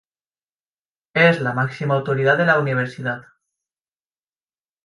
Es la máxima autoridad de la Universidad.